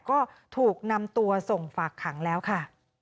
ก็ถูกนำตัวส่งฝากขังแล้วค่ะ